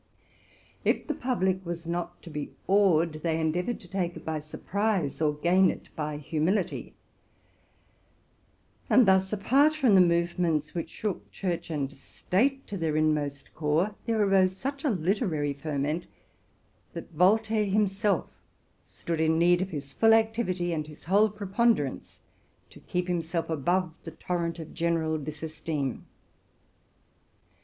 If the public was not to be awed, they endeavored to take it by surprise, or gain it by humility; and thus—apart from the movements which shook Church and State to their inmost core — there arose such a literary ferment, that Voltaire himself stood in need of his full activity, and his whole preponder ance, to keep himself above the torrent of general disesteem.